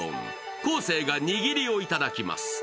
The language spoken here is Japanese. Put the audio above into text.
昴生がにぎりをいただきます。